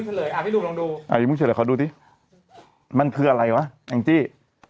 ดูเฉลยพี่หนุ่มลองดูมันคืออะไรวะแองจี้